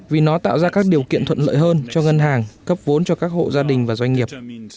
vì nó tạo ra các điều kiện thuận lợi hơn cho ngân hàng cấp vốn cho các hộ gia đình và doanh nghiệp